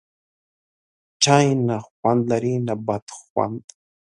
چای، نه خوند لري نه بد خوند